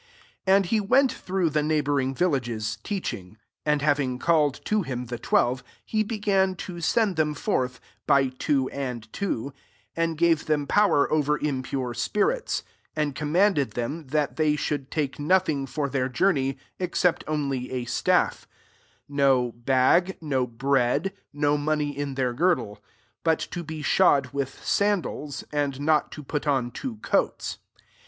7 And he went through the neighbouring villages, teaching. And having called to him the twelve, he began to send them forth, by two and two ; and gave them power over impure spirits; 8 and commanded them, that they should take nothing for their journey, except only, a staff; no bag, no bread, no money in their girdle ; 9 but to be shod with sandals : and not to put on two coats..